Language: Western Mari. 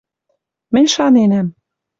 Мӹнь шаненӓм: